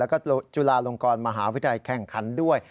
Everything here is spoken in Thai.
สงครานคลินแล้วก็จุฬาลงกรมหาวิทยาลัยแข่งขันด้วย